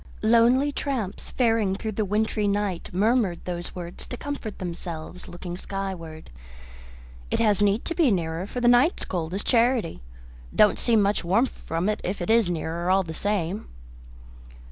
Lonely tramps faring through the wintry night murmured those words to comfort themselves looking skyward. "It has need to be nearer, for the night's as cold as charity. Don't seem much warmth from it if it is nearer, all the same."